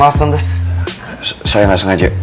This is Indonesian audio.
maaf tante saya gak sengaja